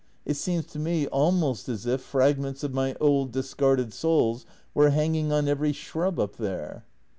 It seems to me almost as if fragments of my old discarded souls were hanging on every shrub up there."